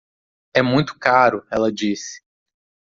É muito caro, ela disse.